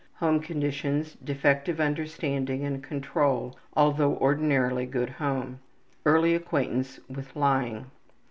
Home conditions: defective understanding and control, although ordinarily good home. Early acquaintance with lying.